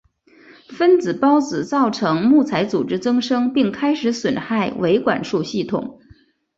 分生孢子造成木材组织增生并开始损害维管束系统。